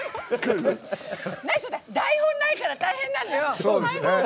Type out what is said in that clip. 台本ないから大変なのよ！